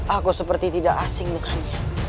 aku seperti tidak asing bukannya